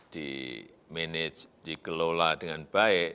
di manage dikelola dengan baik